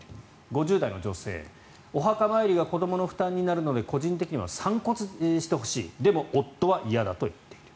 ５０代の女性、お墓参りが子どもの負担になるので個人的には散骨してほしいでも夫は嫌だと言っている。